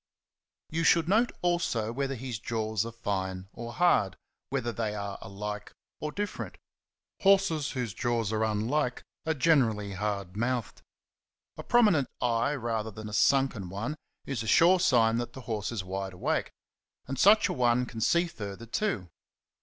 You CHAPTER I. 17 should note also whether his jaws are fine or hard, whether they are alike or different.'^ Horses whose jaws are unlike are generally hard mouthed. A prominent eye rather than a sunken one is a sure sign that the horse is wide awake ; and such a one can see farther too.